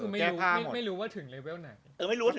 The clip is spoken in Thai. ไม่ต้องรู้ว่าถึงเลเวลไหน